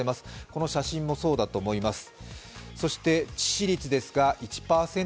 この写真もそうだと思います。